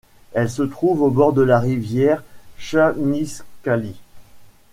Elle se trouve au bord de la rivière Tchanistskali.